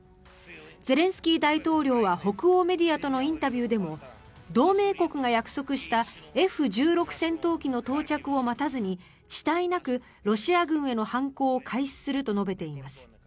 ゼレンスキー大統領は北欧メディアとのインタビューでも同盟国が約束したＦ１６戦闘機の到着を待たずに遅滞なくロシア軍への反攻を開始すると述べています。